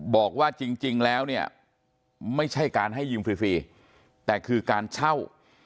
บอกว่าจริงแล้วเนี่ยไม่ใช่การให้ยืมฟรีแต่คือการเช่า